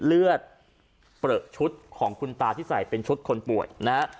เลือดเปลือกชุดของคุณตาที่ใส่เป็นชุดคนป่วยนะฮะ